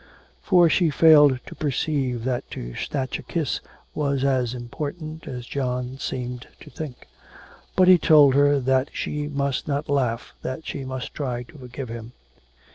For she failed to perceive that to snatch a kiss was as important as John seemed to think. But he told her that she must not laugh, that she must try to forgive him.